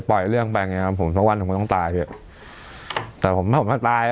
ปล่อยเรื่องไปอย่างเงี้ยครับผมสักวันผมต้องตายพี่แต่ผมถ้าตาย